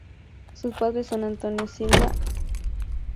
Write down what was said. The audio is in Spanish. Sus padres son Antonio Silva Jaraquemada y María Eugenia Hernández Mancha.